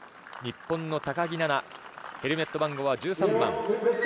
日本の高木菜那、ヘルメット番号は１３番。